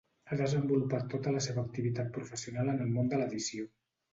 Ha desenvolupat tota la seva activitat professional en el món de l’edició.